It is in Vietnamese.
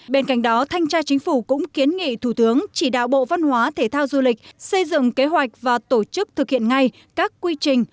bên cạnh đó thanh tra chính phủ cũng kiến nghị thủ tướng chỉ đạo bộ văn hóa thể thao du lịch xây dựng kế hoạch và tổ chức thực hiện ngay các quy trình